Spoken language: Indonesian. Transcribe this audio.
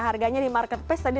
harganya di marketplace